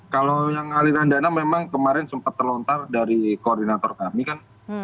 kalau yang aliran dana memang kemarin sempat terlontar dari koordinator kami kan